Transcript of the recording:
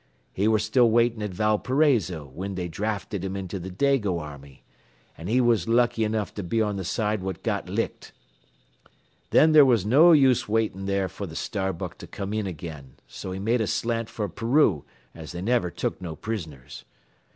He ware still waitin' at Valparaiso whin they drafted him into the Dago army, an' he was lucky enough to be on th' side what got licked. Then there ware no use waitin' there fer th' Starbuck to come in again, so he made a slant for Peru as they niver took no pris'ners.